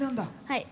はい。